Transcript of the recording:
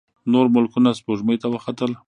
نور ملکونه سپوږمۍ ته وختل.